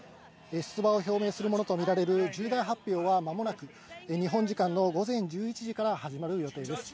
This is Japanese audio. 出馬を表明するものとみられる重大発表は間もなく日本時間午前１１時から始まる予定です。